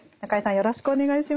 よろしくお願いします。